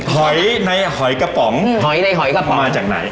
หอยในหอยกระป๋องหอยในหอยกระป๋องมาจากไหน